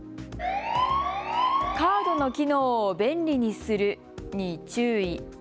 カードの機能を便利にするに注意。